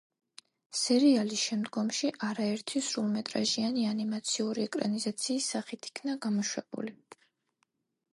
სერიალი შემდგომში არაერთი სრულმეტრაჟიანი ანიმაციური ეკრანიზაციის სახით იქნა გამოშვებული.